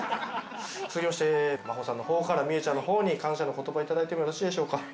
続きましてまほさんの方からみえちゃんの方に感謝の言葉いただいてもよろしいでしょうか？